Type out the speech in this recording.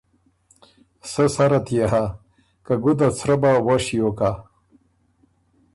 سۀ سرات يې ھۀ که ګُده ت سرۀ بۀ، وۀ شیو کَۀ